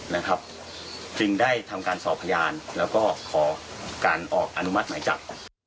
นะครับจึงได้ทำการสอบพยานแล้วก็ขอการออกอนุมัติหมายจับ